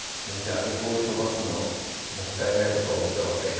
アルコール飛ばすのもったいないとか思ってませんか？